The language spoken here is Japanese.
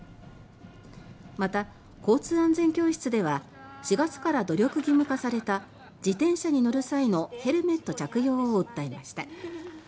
また、交通安全教室では４月から努力義務化された自転車に乗る際のヘルメット着用を訴えました。